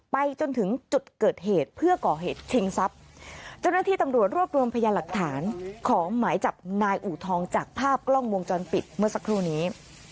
ไปจนถึงจุดเกิดเหตุเพื่อก่อเหตุชิงทรัพย์เจ้าหน้าที่ตำรวจรวบรวมพยานหลักฐานของหมายจับนายอูทองจากภาพกล้องวงจรปิดเมื่อสักครู่นี้